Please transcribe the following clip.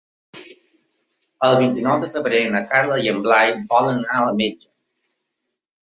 El vint-i-nou de febrer na Carla i en Blai volen anar al metge.